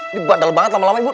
ini bandel banget lama lama ibu